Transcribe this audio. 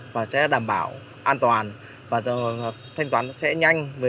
và sẽ đảm bảo an toàn và thanh toán sẽ nhanh